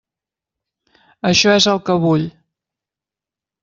Això és el que vull.